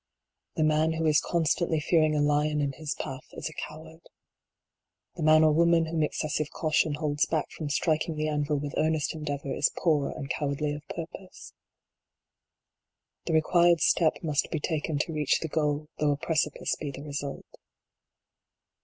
The man who is constantly fearing a lion in his path is a coward. The man or woman whom excessive caution holds back from striking the anvil with earnest endeavor, is poor and cowardly of purpose. The required step must be taken to reach the goal, though a precipice be the result.